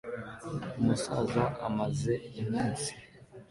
Umusaza amaze iminsi